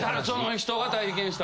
人が体験した。